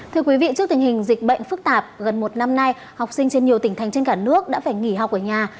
thưa quý vị trước tình hình dịch bệnh phức tạp gần một năm nay học sinh trên nhiều tỉnh thành trên cả nước đã phải nghỉ học ở nhà